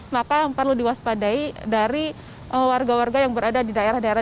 maka perlu diwaspadai dari warga warga yang berada di daerah daerah